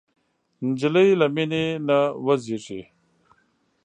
نجلۍ له مینې نه وږيږي.